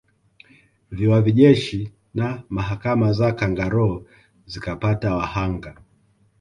Viwavi Jeshi na mahakama za kangaroo zikapata wahanga